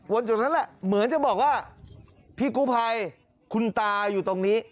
จุดนั้นแหละเหมือนจะบอกว่าพี่กู้ภัยคุณตาอยู่ตรงนี้